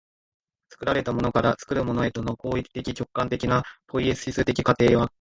作られたものから作るものへとの行為的直観的なポイエシス的過程は